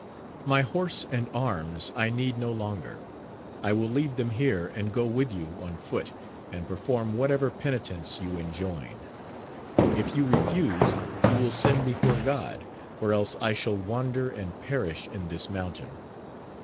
My horse and arms I need no longer : I will leave them here, and go with you on foot, and perform whatever penitence you enjoin. If you refuse, you will sin before God, for else I shall wander and perish in this mountain.